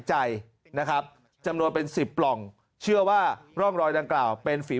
ใจนะครับจำนวนเป็นสิบปล่องเชื่อว่าร่องรอยดังกล่าวเป็นฝี